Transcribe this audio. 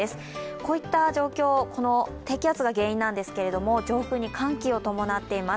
こういった状況、低気圧が原因なんですが上空に寒気を伴っています